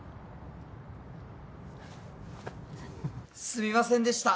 すみませんでした。